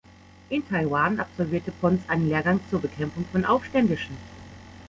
In Taiwan absolvierte Ponce einen Lehrgang zur Bekämpfung von Aufständischen.